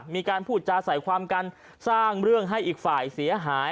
มีการพูดจาใส่ความกันสร้างเรื่องให้อีกฝ่ายเสียหาย